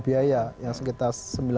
biaya yang sekitar